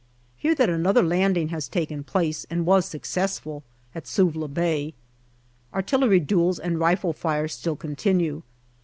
Hear that another landing has taken place, and was successful, at Suvla Bay. Artillery duels and rifle fire still continue.